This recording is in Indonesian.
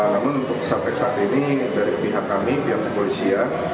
namun untuk sampai saat ini dari pihak kami pihak kepolisian